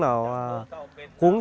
lấy hai con cá